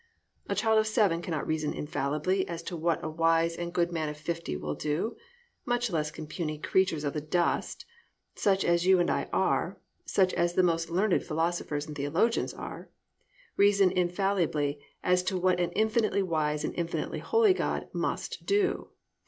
A child of seven cannot reason infallibly as to what a wise and good man of fifty will do, much less can puny creatures of the dust (such as you and I are, such as the most learned philosophers and theologians are) reason infallibly as to what an infinitely wise and infinitely holy God must do.